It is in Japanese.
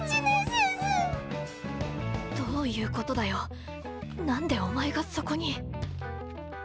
どういうことだよ何でお前がそこに。